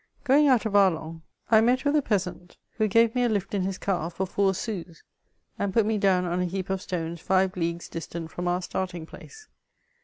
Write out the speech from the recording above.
Going out of Arlon, I met with a peasant who gave me a lift in his car for four sous, and put me down on a heap of stones five leagues distant from our starting place.